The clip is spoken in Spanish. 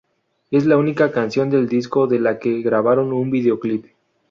Es la única canción del disco de la que grabaron un videoclip.